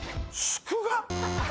祝賀。